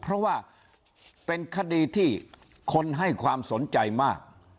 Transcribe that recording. เพราะว่าเป็นคดีที่คนให้ความสนใจมาก